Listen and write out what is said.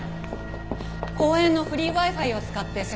公園のフリーＷｉ−Ｆｉを使って接続していました。